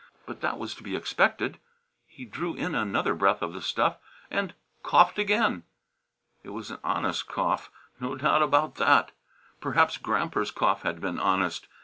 But that was to be expected. He drew in another breath of the stuff and coughed again. It was an honest cough; no doubt about that. Perhaps Gramper's cough had been honest.